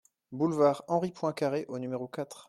Boulevard Henri Poincaré au numéro quatre